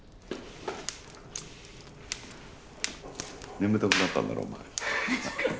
眠たくなったんだろお前。